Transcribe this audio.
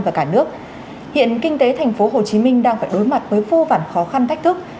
và cả nước hiện kinh tế thành phố hồ chí minh đang phải đối mặt với vô vản khó khăn thách thức